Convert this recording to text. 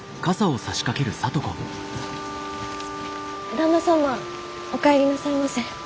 旦那様お帰りなさいませ。